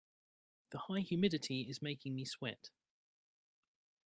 The high humidity is making me sweat.